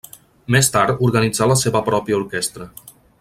Més tard organitzà la seva pròpia orquestra.